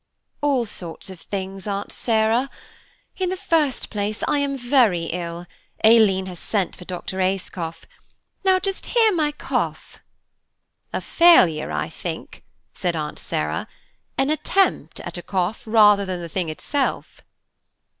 "All sorts of things, Aunt Sarah. In the first place, I am very ill–Aileen has sent for Dr. Ayscough. Now, just hear my cough." "A failure, I think," said Aunt Sarah, "an attempt at a cough rather than the thing itself."